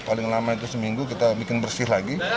paling lama itu seminggu kita bikin bersih lagi